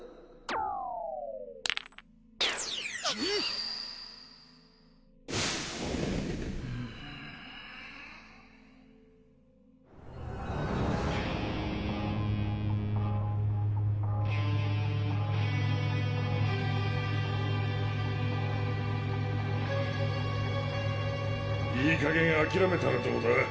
ウッいいかげんあきらめたらどうだ？